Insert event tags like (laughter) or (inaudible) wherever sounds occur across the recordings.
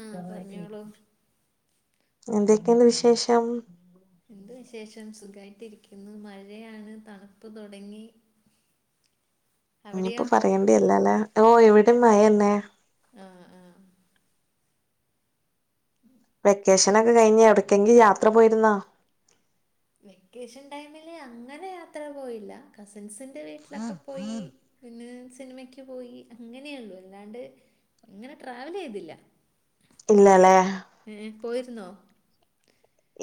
മ് പറഞ്ഞോളൂ എന്തൊക്കെന്ന് വിശേഷം എന്ത് വിശേഷം സുഖമായിട്ടിരിക്കുന്നു മഴയാണ് തണുപ്പ് തുടങ്ങി ഇനിപ്പോ അവിടെയോ പറയേണ്ടില്ലല്ലേ ഓ ഇവിടെ മഴന്നെ ആഹ് ആഹ് വെക്കേഷനോക്കെ കഴിഞ്ഞ് എവിടക്കെങ്കിലും യാത്ര പോയിരുന്നോ വെക്കേഷൻ ടൈമില് അങ്ങനെ യാത്ര പോയില്ല കസിൻസ് ന്റെ വീട്ടിലൊക്കെ പോയി പിന്നെ സിനിമക്ക് പോയി അങ്ങനെയൊള്ളു എല്ലാണ്ട് ഇങ്ങനെ ട്രാവൽ ചെയ്തില്ല ഇല്ലല്ലേ പോയിരുന്നൊ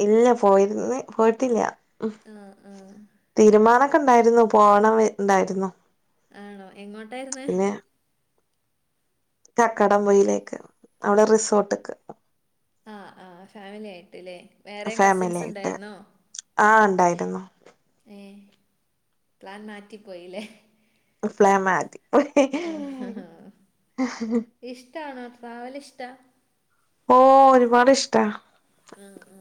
ഇല്ല പോയിരിന്ന് പോയിട്ടില്ല ആ ആ (unintelligible) തീരുമാന ക്ക് ഇണ്ടായിരുന്നു പോണം ഇണ്ടായിരുന്നു ആണോ എങ്ങോട്ടായിരുന്നേ കക്കാടം പൊയിലേക്ക് അവിടെ റിസോർട്ട്ക്ക് ആഹ് ആഹ് ഫാമിലി ആയിട്ട് ട്ടില്ലേ വേറെയും ഫാമിലി കസിൻസ് ആയിട്ട് ഉണ്ടായിരുന്നോ ആ ഉണ്ടായിരുന്നു എ പ്ലാൻ മാറ്റിപ്പോയില്ലേ പ്ലാൻ മാറ്റി ആഹ് ഹഹ ഇഷ്ടണോ ട്രാവലിഷ്ടാ ഓ ഒരുപാട് ഇഷ്ടാ ആ ആ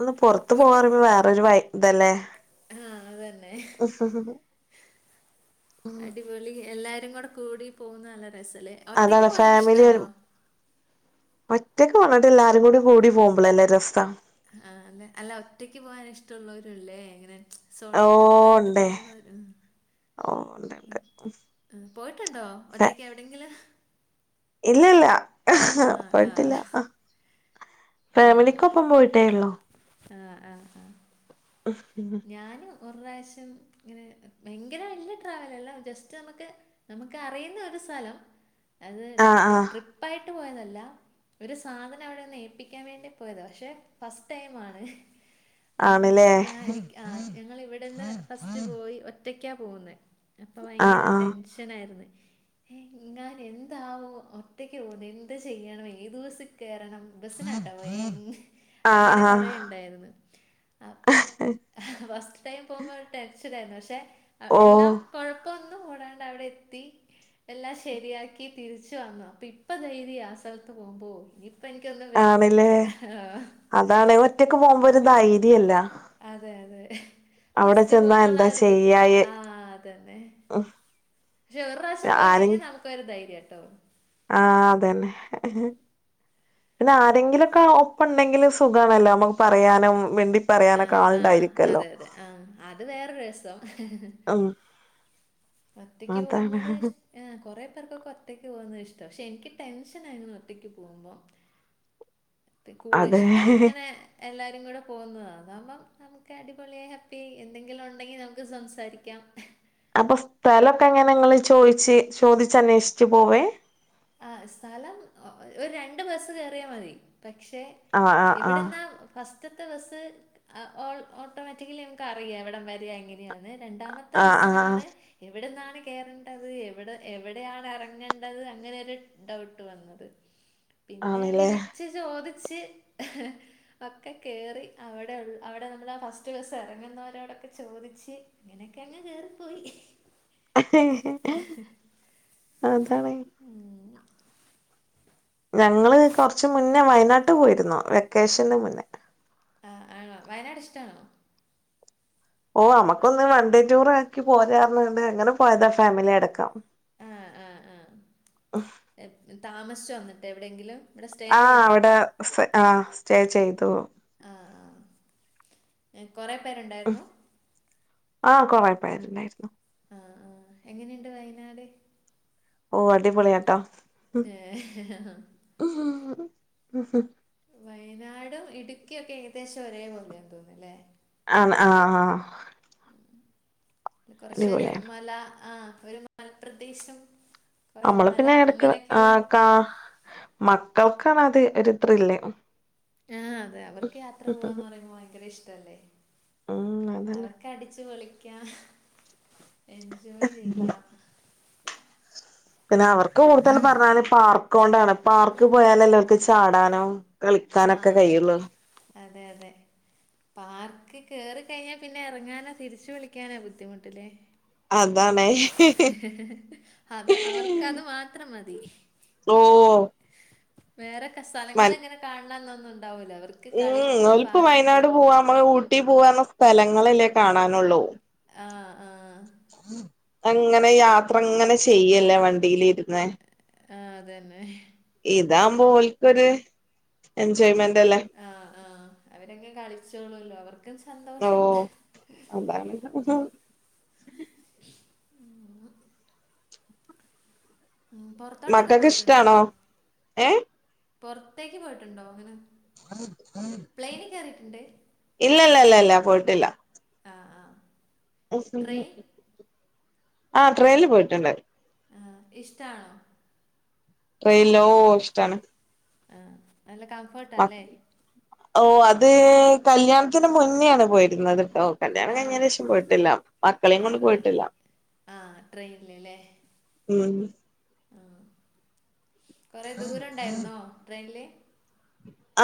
ഒന്ന് പൊറത്ത് പോവാറിബം വേറൊരു വൈ ഇതലേ ആഹ് അതന്നെ അടിപൊളി എല്ലാര് എങ്ങോടം കൂടി പോകുന്നല്ല രസല്ലെ ഒറ്റക്ക് അതാണ് ഫാമിലി ഒരു പോകാനിഷ്ടാണോ ഒറ്റക്ക് പോണെട്ടിലും എല്ലാരും കൂടി കൂടി പോമ്പോളേല്ലെ രസം ആഹ് അല്ല അല്ല ഒറ്റക്ക് പോകൻ ഇഷ്ടള്ളോരും ല്ലേ ഇങ്ങനെ ഓ സോളോ ട്രിപായിട്ട് ഉണ്ടേ പോന്നോര് ഓ ഉണ്ട് ഉണ്ട് പോയിട്ടുണ്ടോ ഒറ്റക്ക് എവിടെങ്കിലും? ഇല്ല ഇല്ല ആ ആ പോയിട്ടില്ല ഫാമിലിക്കൊപ്പം പോയിട്ടേയൊള്ളൂ. ആഹ് ആഹ് ആഹ് ഒരുപ്രാശ്യം ഇങ്ങനെ ഭയങ്കര വെല്ല്യ ട്രാവലല്ല ജസ്റ്റ് നമുക്ക് നമുക്ക് അറിയുന്ന ഒരു സ്ഥലം അത് ആഹ് മറ്റേ ആഹ് ട്രിപ്പായി ട്ട് പോയതല്ല ഒരു സാധനം അവിടെന്ന് ഏപ്പിക്കാൻ വേണ്ടി പോയതാ, പക്ഷെ ഫസ്റ്റ് ടൈമാണ്. ആണ് ലെ എന്നിട്ട് ഞാൻ എനിക്ക് ആ ഞങ്ങളിവിടന്ന് ഫസ്റ്റ് പോയി ഒറ്റ് ഒറ്റയ്ക്കാ പോകുന്നെ അപ്പൊ ആഹ് ഭയങ്കര ആഹ് ടെൻഷൻ ആയിര്ന്ന് ഏങ്ങാനും എന്താവോ ഒറ്റക്ക് പോവ്ന്നെ എന്ത് ചെയ്യണം ഏത് ബസിൽ കേറണം ബസിനാട്ടോ പോയെ അങ്ങനെ ആഹ് ആഹ് കൊറെ ഇണ്ടായിരുന്നു, അപ്പം ഫസ്റ്റ് ടൈം പോകുമ്പോ ഒരു ടെൻഷനായിരുന്നു, പക്ഷേ അ ഓ എല്ലാം കൊഴപ്പ ഒന്ന് ഓടാണ്ട് അവിടെ എത്തി എല്ലാം ശരിയാക്കി തിരിച്ച് വന്നു അപ്പൊ ഇപ്പ ധൈര്യാ ആ സ്ഥലത്ത് പോകുമ്പോ ഇപ് ആണല്ലേ അതാണ് ഒറ്റൊക്ക് പോകുമ്പോ ഒരുധൈര്യ (unintelligible) അതെ അതെ ഫസ്റ്റ് ചെന്നാ പോകുമ്പളാ എന്താ ഒരു ബുദ്ധി ചെയ്യായ് ആ അതന്നെ പക്ഷേ ഒരു പ്രാവശ്യം പോയി കഴിഞ്ഞാ നമുക്കൊരു ധൈര്യാ ട്ടോ. ആ അതന്നെ പിന്നെ ആരെങ്കിലൊക്കെ ഒപ്പണ്ടെങ്കില് സുഖാണല്ലോ നമ്മക്ക് പറയാനും മിണ്ടി ആ പറയാനൊക്കെ ആ ആളുണ്ടായിരിക്കല്ലോ അതെ അതെ ആ അത് വേറൊരു രസം. ഉം ഒറ്റയ്ക്ക് അതാണ് പോകുന്നത് ഇഷ് ഏ കൊറെ പേർക്കൊക്കെ ഒറ്റക്ക് പോകുന്നത് ഇഷ് ടം പക്ഷേ എനിക്ക് ടെൻഷനാ ഇങ്ങനെ ഒറ്റക്ക് പോവുമ്പം. കൂ അതെ ഇഷ്ടം ഇങ്ങനെ എല്ലാരും കൂടെ പോന്നത് അതാവുമ്പം നമുക്ക് അടിപൊളിയായി ഹാപ്പി എന്തെങ്കിലും ഒണ്ടെങ്കി നമുക്ക് സംസാരിക്കാം. അപ്പ സ്ഥലൊക്കെ എങ്ങനെ നിങ്ങള് ചോയിച്ച് ചോദിച്ച് അന്വേഷിച്ചു പോവേ? ആ സ്ഥലം ഒ ഒരു രണ്ട് ബസ് കേയറിയാ മതി. പക്ഷേ ആഹ് ആഹ് ഇവിടുന്നാ ഫസ് റ്റത്തെ ബസ് അ ഓ ഓട്ടോമാറ്റിക്കലി നമുക്ക് അറിയാം എവിടം വരെയാ എങ്ങനെയാ ണ് രണ്ടാമത്തെ ആഹ് ആഹ് ആഹ് ബസ്സിനാണ് എവിടുന്നാ കേറണ്ടത് എവിട എവിടെയാണ് ഇറങ്ങണ്ടത് അങ്ങനെ (unintelligible) ഡൗട്ട് വന്നത് പിന്നെ ആണല്ലേ വിളിച്ചു ചോദി (unintelligible) ഒക്കെ കേറി അവിടെ അവിടെ (unintelligible) അവിടെ നമ്മൾ ആ ഫസ്റ്റ് ബസ് ഇറങ്ങുന്നവരോടൊക്കെ ചോദിച്ച് അങ്ങനെക്കെ അങ്ങ് കേറിപ്പോയി അതാണ് ഉം. ഞങ്ങള് കൊറച്ച് മുന്നേ വയനാട്ട് പോയിരുന്നു വെക്കേഷന് മുന്നേ ആ ആണോ വയനാട് ഇഷ്ടാണോ ഓ നമുക്കൊന്ന് വൺ ഡേ ടൂർ ആക്കി പോരാന്നണ്ട് അങ്ങനെ പോയതാ ഫാമിലി അടക്കം ആഹ് ആഹ് ആഹ് (unintelligible) താമസിച്ചോ അന്നിട്ട് എവിടെയെങ്കിലും ഇവിടെ സ്റ്റേ ആഹ് ചെയ്തോ അവിടെ (unintelligible) ആഹ് സ്റ്റേ ചെയ്തു ആഹ് ആഹ് (unintelligible) കുറേ പേരുണ്ടായിരുന്നു ആഹ് കൊറേപേരിണ്ടായിരുന്നു ആഹ് ആഹ് എങ്ങനെയിണ്ട് വയനാട് ഓ അടിപൊളി ആട്ടെ ഏ വയനാടും ഇടുക്കിയും ഒക്കെ ഏകദേശം ഒരേപലെയാന്ന് തോന്നൂല്ലേ ആഹ് ആഹ് ആഹ് കുറച്ചൊരു അടിപൊളിയാ മല ആഹ് ഒരു മലപ്രദേശം കുറേ നമ്മള് മല പിന്നെ എടുക്ക ആ അങ്ങനെയൊക്കെയുള്ള കാ മക്കൾ കാണാതെ ഒരു ത്രില്ല് ആഹ് അതെ അവർക്ക് യാത്ര പോവാന്ന് പറയുമ്പോൾ ഭയങ്കര ഇഷ് ഇഷ്ട്ടല്ല ഉം അതന്നെ അവർക്ക് അടിച്ചു പൊളി ക്ക്യ എൻജോയ് ചെയ്യാം പിന്നെ അവർക്ക് കൂടുതൽ പറഞ്ഞാല് പാർക്ക് കൊണ്ടാണ് പാർക്ക് പോയാലേ ഒൽക്ക്ചാടാനും ആ കളിക്കാനൊക്കെ കഴിയൂള്ളു പാർക്കി കേറി കഴിഞ്ഞാ പിന്നെ എറങ്ങാനും തിരിച്ചു വിളിക്കാനാ ബുദ്ധിമുട്ടില്ലേ അതാണേയ് അത് അവർക്കത് മാത്രം മതി തി ഓഹ് വേറെ സ്ഥലങ്ങള് എങ്ങനെ കാണാ (unintelligible) ഉം (unintelligible) വയനാട് പൂവാം ഊട്ടി പോവാന്ന് സ്ഥലങ്ങളല്ലേ കാണാനുള്ളൂ ആ ആ അങ്ങനെ യാത്ര ചെയ്യല്ലേ വണ്ടിലിരുന്ന് ആ അതന്നെ ഇതാകുമ്പോ ഓൾക്കൊരു എൻജോയ്മെന്റ് (unintelligible) ആ ആ അവരങ്ങ് കളിച്ചോളൂല്ലോ അവർക്കും ഓ സന്തോഷം അതാണ് ഉം പുറത്തോട്ടൊക്കെ മക്കക്ക്‌ ഇഷ്ടാണോ ഏ- പൊറത്തേക്ക് പോയിട്ടുണ്ടോ അങ്ങനാ ഇല്ല ഇല്ല ല്ല ഇല്ല പോയിട്ടില്ല ആ ആ (unintelligible) ട്രെയിൻ ആ ട്രെയിനിൽ പോയിട്ടുഉണ്ട് ആ ഇഷ്ടാണോ ട്രയിലോ ഓ ഇഷ്ടാണ് ആ നല്ല കംഫർട്ടാല്ലേ ഓ അത് കല്ല്യാണത്തിന് മുന്നേണ് പോയിരുന്നത് ട്ടോ കല്യാണം ആ കഴിഞ്ഞേന് ശേഷം പോയിട്ടില്ല മക്കളെയും ആ കൊണ്ട് ആ പോയിട്ടില്ല ആ ട്രെയിനിലല്ലേ ഉം കൊറെ ദൂരം ഉണ്ടായിരുന്നോ ട്രെയിനില്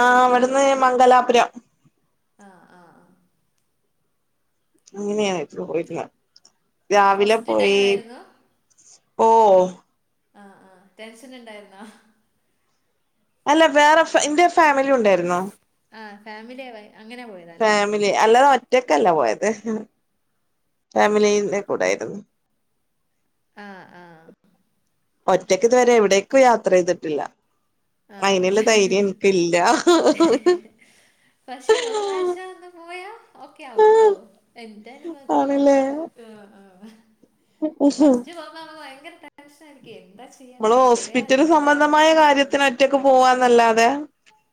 ആ അവടന്ന് മംഗലാപുരം ആഹ് ആഹ് (unintelligible) പോയിട്ടില്ല രാവിലെ ഫസ്റ്റ് ടൈം പോയി ആയിരുന്നു ഓ ആ ആടെൻഷൻ ഉണ്ടായിരുന്നോ അല്ല വേറെ ഇന്റെ ഫാമിലി ഉണ്ടായിരുന്നോ ആ ഫാമിലി (unintelligible) പോയതല്ലേ ഫാമിലി അല്ലാതെ ഒറ്റ റ്റക്കല്ല പോയത് (unintelligible) ഫാമിലീന്റെ കൂടായിരുന്നു. ആ ആ ഒറ്റക്കിതുവരെ എവിടേക്കും യാത്രെയ്തിട്ടില്ല. ആ പ (unintelligible) പക്ഷേ ഒരു പ്രാവശ്യം ഒന്ന് പോയാ ഓക്കെ ആവൂട്ടോ എന്റെ അനുഭവത്തിലാ ആണല്ലേ (unintelligible) ഫസ്റ്റ് നമ്മള് (unintelligible) ഭയങ്കര ടെൻഷനായിരിക്കേ നമ്മള് ഹോസ്പിറ്റല് സംബന്ധമായ കാര്യത്തിനൊക്ക്‌ റ്റക്ക് പോവാന്നല്ലാതെ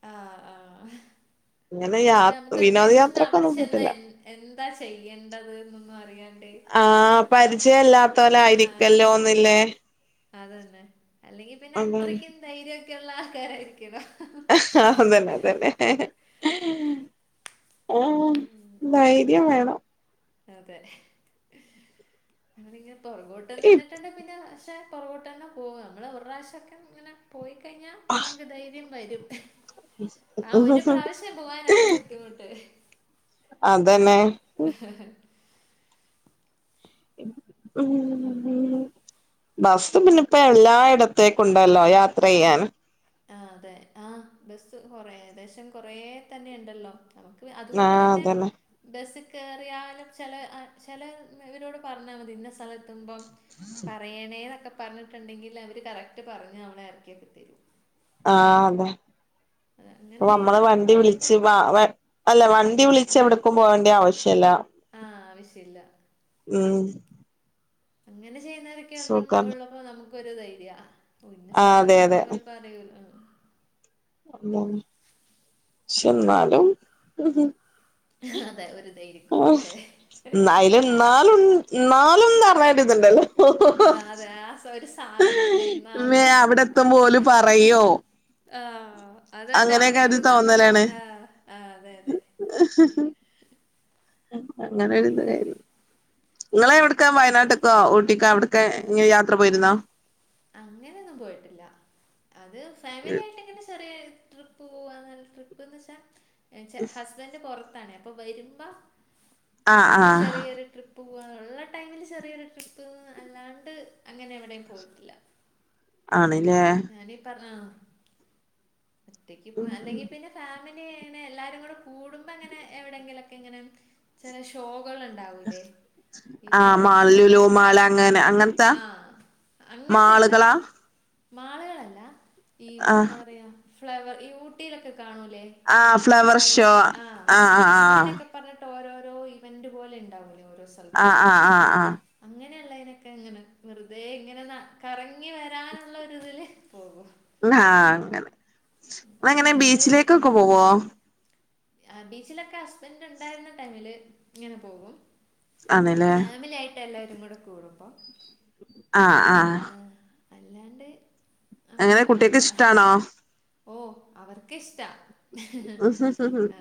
ആ ആ (unintelligible) ഇങ്ങനെ യാ അതെ നമുക്ക് ടെൻഷനാ അവിടെ വിനോദയാത്രക്കൊന്നും ചെന്ന പോയിട്ടില്ല എന്ത് എന്താ ചെയ്യേണ്ടത് അറിയ ആഹ് പരിചയല്ല ആഹ് ത്തോലായിരിക്കല്ലോന്നില്ലേ അതന്നെ അല്ലെങ്കിൽ പിന്നെ അത്രയ്ക്കും ധൈര്യം (unintelligible) (unintelligible) അതെന്നെ അതെന്നെ ആഹ് ധൈര്യം വേണം അതെ (unintelligible) നിന്നിട്ടുണ്ട് (unintelligible) (unintelligible) നമ്മൾ ഒരു പ്രാവശ്യം ഒക്കെ അങ്ങനെ പോയി കഴിഞ്ഞ നമ്മുക്ക് ധൈര്യം വരും ആ ഒരു പ്രാവശ്യം പോവനാണ് ബുദ്ധിമുട്ട് (inaudible) ഇതെന്നെ ഉം (inaudible) ഉം ബസ്സ് പിന്നെ എല്ലായിടത്തേക്കും ഉണ്ടല്ലോ യാത്ര ചെയ്യാൻ ആ അതെ ആ ബസ്സ് കൊറെ ഏകദേശം കുറേത്തന്ന ഉണ്ടേല്ലോനമ്മുക്ക് അതുകൊണ്ട് ആഹ് തന്നെ അതന്നെ ബസ്സ് കേറിയാലും ചെല ഇവരോട് പറഞ്ഞാൽ മതി ഇന്ന സ്ഥലത്തുമ്പം പറയണേന്നൊക്കെ പ്- പറഞ്ഞിട്ടുണ്ടെങ്കിൽല് അവര് കറക്റ്റ് പറഞ് നമ്മളെ എർക്കിയോക്കെ തരും ആഹ് അതെ അത് അങ്ങനെ നമ്മള് ചെയ്യുന്നവർ വണ്ടി അപ്പം പിന്നെ വിളിച്ച് എവ്ട്ക്കും പോകേണ്ടിയേ ആവശ്യല്ല ആഹ് ആവശ്യല്ല ഉം ഹ് (inaudible) അങ്ങനെ സുഖം ചെയ്യുന്നവരൊക്കെഉണ്ട്ന്നുള്ളപ്പോ നമുക്ക് ഒരു ധൈര്യാ ഓ ഇന്ന ആഹ് അതെ സ്ഥലത്തുമ്പോ അവര് പറയോലോ ന്നാലും പസേന്നാലും (inaudible) അതെ ഒരു ധൈര്യകുറവ് അയില് എന്നാലും ഒര്ത്ണ്ടല്ലോ ആഹ് അതെ ആഹ് സാധനം മേ എന്നാലും അവിടെ എത്തുമ്പോ ഓല് പറയോ ആഹ് അതണ്ടാവും അവ്ടെ അങ്ങനെയൊക്കെ ഒരു എത്തുന്നോടം വരെ തോന്നലാണ് ആഹ് ആഹ് അതെ അതെ അങ്ങനെ ഒരുരുന്ന കാര്യം നിങ്ങള് എവ്ട്ക്കാ വയനാട്ട്ക്കാ ഊട്ടിക്കാ അവ്ട്ക്കാ ഇങ്ങനെ യാത്ര പോയിര്ന്നോ? അങ്ങനെന്നും പോയിട്ടില്ല അത് ഫാമിലി ആയിട്ട്ങ്ങനെ ചെറിയ ഒര് ട്രിപ്പ് പോവാല്ല ട്രിപ്പ്ന്ന് വെച്ചാ ന്നേച്ച ഹസ്ബന്റ് പോറ്ത്ത് ണ് അപ്പൊ വര്മ്പം ആഹ് ഇങ്ങനെ ആഹ് ചെറിയൊരു ട്രിപ്പ് പോക്ആ ഉള്ള ടൈമിൽ ചെറിയൊരു ട്രിപ്പ് അല്ലാണ്ട് അങ്ങനെ എവിടേം പോയിട്ടില്ല. ആണ് ഞാനീ പറഞ്ഞ ആ ഒറ്റക്ക്പ്പൊ അല്ലെങ്കി പിന്നെ ഫാമി ക്കേണ് എല്ലാരും കൂടെ കൂടുമ്പോങ്ങനെ എവിടെങ്കിലൊക്കെ ഇങ്ങനെ ചെല ഷോകള് ആഹ് മാള് ഒക്കെ ലുലുമാള് പോലെ ആ അങ്ങനെ അങ്ങനത്തെയാ ആ മാള്കളാ മാള്കളല്ല ഈ എന്താ പറയാ ഫ്ലവർ ഈ ഊട്ടിയിലൊക്കെ ക ഈ ആഹ് ഫ്ലവർ ഫ്ലാവറായ് ഷോ ആഹ് ആഹ് അങ്ങനെയൊക്കെ പറഞ്ഞട്ട് ഓരോരോ ഓ ഇവന്റ് പോലെ ഉണ്ടാവലോ ആ ആ ആ ആ അങ്ങനെ വെറുതെ ഇങ്ങനെ ന കറങ്ങി വരാൻ - ഉള്ള ഇതിൽ പോകും ആ അങ്ങനെ നിങ്ങൾ എങ്ങനെ ബീച്ചിലേക്കൊക്കെ പോവോ ആ ബീച്ചിലൊക്കെ ഹസ്ബന്റ് ഉണ്ടായിരുന്ന ടൈമില് ഇങ്ങനെ പോകും അതെല്ലേ എല്ലാരും കൂടുമ്പോ ആ ആ അല്ലാണ്ട് (inaudible) അങ്ങനെ കുട്ടിയക്ക് ഇല്ല ഇഷ്ടാണോ ഓ അവർക്ക് ഇഷ്ടാ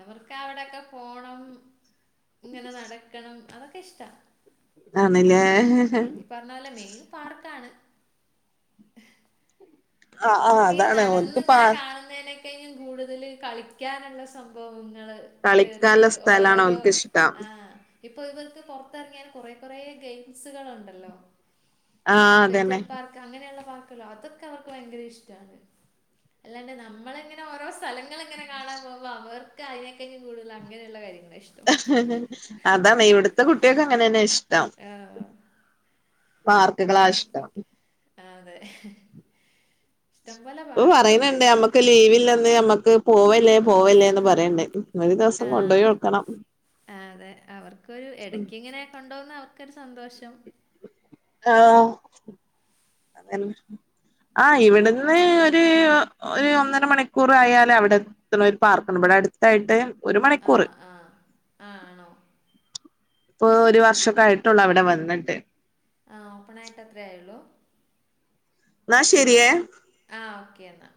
അവർക്ക് അവിടെൊക്കെ പോണം ഇങ്ങനെ നടക്കണം അതൊക്കെ ഇഷ്ട- ആണ് ഇല്ലേ (inaudible) പോലെ മെയിൻ പാർക്കാണ് ആ ആ അതാണ് ഓല്ക് പാർക്ക യും കൂടുതൽ കളിക്കാനുള്ള സംഭവം ഞങൾ കളിക്കാനുള്ള കേറിയിട്ട് സ്ഥലാണ് ഓരോരോ ഓൽക്ക് ഇഷ്ടം ആ- ഇപ്പൊ ഇവർക്ക് പുറത്തിറങ്ങിയാൻ കൊറ ഗെയിംസുകൾ ഉണ്ടല്ലോ ആഹ് അഡ്വഞ്ചർ അതന്നെ പാർക്ക് അങ്ങനെയുള്ള പാർക്കിലോ അതൊക്ക അവർ ഭയങ്കര ഇഷ്ടണ് അല്ലാണ്ട് നമ്മളിങ്ങനെ ഓരോ സ്ഥലങ്ങള ഇങ്ങനെ കാണാൻ പോകുമ്പോൾ അവർക്ക് അതിനെക്കാളും കൂടുതൽ അങ്ങനെയുള്ള കാര്യങ്ങ- (inaudible) അതാണ് ഇവിടുത്തെ കുട്ടി കുട്ടികൾക്ക് അങ്ങന തന്ന ഇഷ്ട്ട - (unintelligible) ട്ടം ആ, പാർക്കുകളാ ഇഷ്ടം അതെ ഇഷ്ടംപോലെ ഓ പാർക്കും പറയുന്നുണ്ട് ഉണ്ട് നമ്മക്ക് ലീവല്ലെന്ന് പോവല്ലേ പോവല്ലേന്ന് പറണ്ട് ആഹ ആ അതെ അവർക്കൊരു ഇടക്ക് ഇങ്ങനെ കൊണ്ടോന്നത് അവർ- ഒക്കെരു സന്തോഷം ആ ഏതാ ഇവിടുന്ന് ഒരു ഒരു ഒന്നര മണിക്കൂർ ആയാൽ അവിടെ എത്തണ ഒരു പാർക്ക്ണ്ട് ഇവിടെ അടുത്തായിട്ട് ഒരു ആ മണിക്കൂറ് ആ ആ ആണോ ഇപ്പൊ ഒരു വർഷക്ക ആയിട്ടുള്ളൂ അവിടെ വന്നിട്ട് ആ ഓപ്പണായിട്ട് അത്രേ ആയുള്ളു എന്നാ ശരിയേ ആ ഓക്കേ എന്നാ